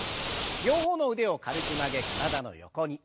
両方の腕を軽く曲げ体の横に。